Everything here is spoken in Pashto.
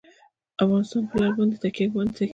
افغانستان په لعل باندې تکیه لري.